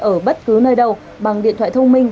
ở bất cứ nơi đâu bằng điện thoại thông minh